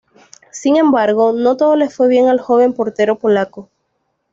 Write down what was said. Sin embargo, no todo le fue bien al joven portero polaco.